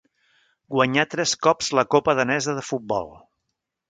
Guanyà tres cops la copa danesa de futbol.